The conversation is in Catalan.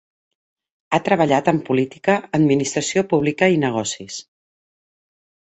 Ha treballat en política, administració pública i negocis.